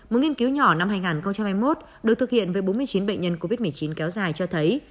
một nghiên cứu nhỏ năm hai nghìn hai mươi một được thực hiện với bốn mươi chín bệnh nhân covid một mươi chín kéo dài cho thấy